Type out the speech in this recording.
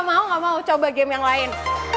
mau gak mau coba game yang lain